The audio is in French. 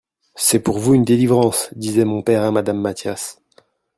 C'est pour vous une delivrance, disait mon pere a Madame Mathias.